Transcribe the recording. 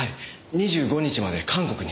２５日まで韓国に。